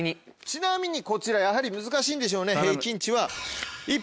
ちなみにこちらやはり難しいんでしょうね平均値は。